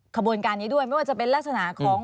ขบวนการนี้ด้วยไม่ว่าจะเป็นลักษณะของ